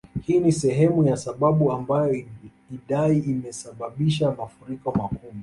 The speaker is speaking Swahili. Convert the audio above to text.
Hii ni sehemu ya sababu ambayo Idai imesababisha mafuriko makubwa